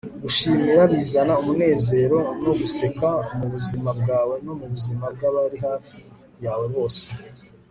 gushimira bizana umunezero no guseka mu buzima bwawe no mu buzima bw'abari hafi yawe bose